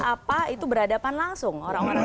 apa itu berhadapan langsung orang orang